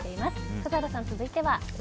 笠原さん、続いては？